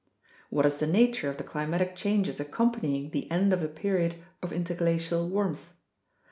What is the nature of the climatic changes accompanying the end of a period of interglacial warmth?